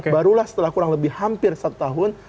barulah setelah kurang lebih hampir satu tahun